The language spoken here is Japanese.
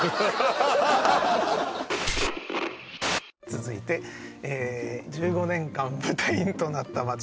続いてえ「１５年間舞台となった町の」